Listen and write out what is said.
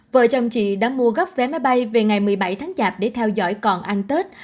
vợ chồng chị đã mua gấp vé máy bay về ngày một mươi bảy tháng chạp để theo dõi còn ăn tết